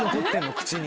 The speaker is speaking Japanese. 口に。